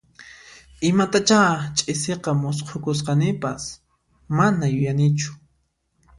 Imatachá ch'isiqa musqhukusqanipas, mana yuyanichu